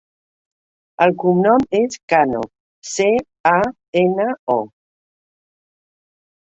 El cognom és Cano: ce, a, ena, o.